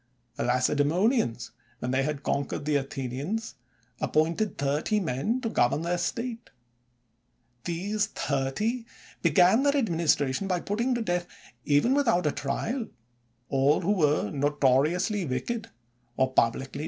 The Lacedaemonians, when they had conquered the Athenians, appointed thirty men to govern their state. These thirty began their administra* tion by putting to death, even without a trial, all who were notoriously wicked, or publicly detest > The Porcfan Law, enacted A. U.